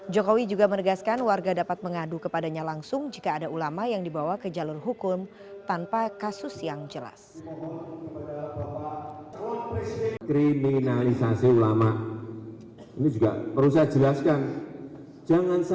jokowi juga menegaskan warga dapat mengadu kepadanya langsung jika ada ulama yang dibawa ke jalur hukum tanpa kasus yang jelas